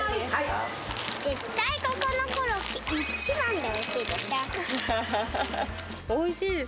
絶対ここのコロッケ一番でおおいしいです。